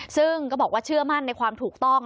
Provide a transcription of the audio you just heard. ซึ่งก็บอกว่าเชื่อมั่นในความถูกต้อง